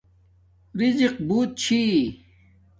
رزِق بوت چھی